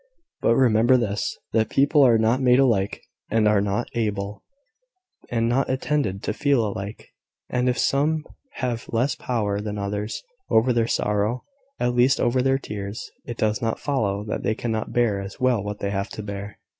But remember this, that people are not made alike, and are not able, and not intended to feel alike; and if some have less power than others over their sorrow, at least over their tears, it does not follow that they cannot bear as well what they have to bear.